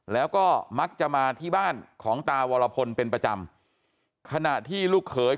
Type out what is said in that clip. แล้วก็มักจะมาที่บ้านของตาวรพลเป็นประจำขณะที่ลูกเขย